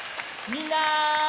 みんな！